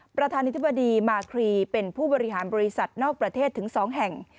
ประธานาธิบดีมาครีเป็นผู้บริหารบริษัทนอกประเทศถึง๒แห่ง